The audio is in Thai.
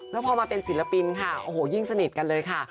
แล้วพอมาเป็นศิลปินค่ะโอ้โหยิ่งสนิทกันเลยค่ะ